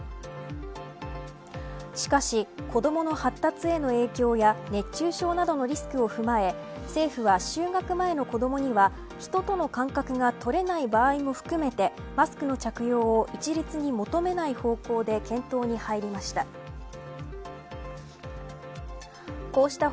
しかし子どもの発達への影響や熱中症などのリスクを踏まえ政府は就学前の子どもには人との間隔が取れない場合も含めて、マスクの着用を一律に求めない方向で検討に入りました。